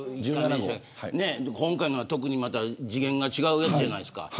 今回のは特にまた次元が違うやつじゃないですか。